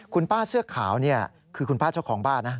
คุณป้าเสื้อขาวนี่คือคุณป้าเจ้าของบ้านนะ